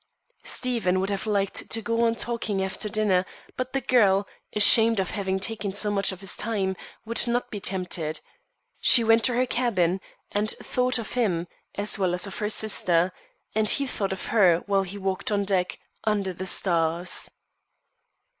Stephen would have liked to go on talking after dinner, but the girl, ashamed of having taken up so much of his time, would not be tempted. She went to her cabin, and thought of him, as well as of her sister; and he thought of her while he walked on deck, under the stars.